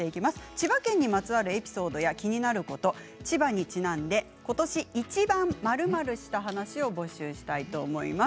千葉県にまつわるエピソードや気になること、千葉にちなんで今年い“ちば”ん○○した話を募集します。